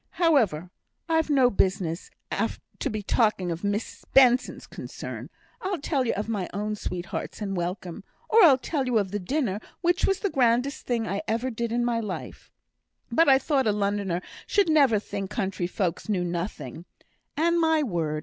However, I've no business to be talking of Miss Benson's concerns. I'll tell you of my own sweethearts and welcome, or I'll tell you of the dinner, which was the grandest thing I ever did in my life, but I thought a Lunnoner should never think country folks knew nothing; and, my word!